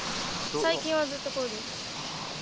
最近はずっとこうです。